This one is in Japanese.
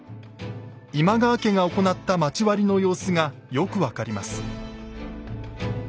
今川家が行った町割の様子がよく分かります。